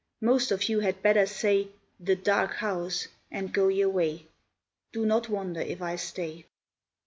Most of you had better say "The Dark House", and go your way. Do not wonder if I stay.